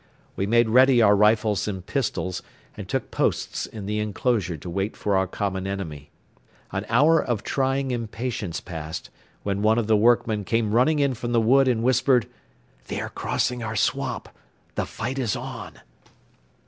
We made ready our rifles and pistols and took posts in the enclosure to wait for our common enemy. An hour of trying impatience passed, when one of the workmen came running in from the wood and whispered: "They are crossing our swamp. ... The fight is on."